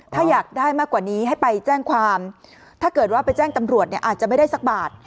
ถ้าอยากได้มากกว่านี้ให้ไปแจ้งความถ้าเกิดว่าไปแจ้งตำรวจเนี่ยอาจจะไม่ได้สักบาท